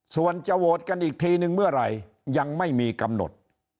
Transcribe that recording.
ส่วนจะโหวตกันอีกทีนึงเมื่อไหร่ยังไม่มีกำหนด